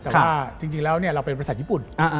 แต่ว่าจริงแล้วเราเป็นบริษัทญี่ปุ่น